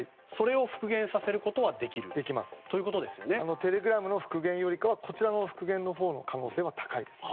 テレグラムの復元よりかはこちらの復元のほうが可能性は高いですね。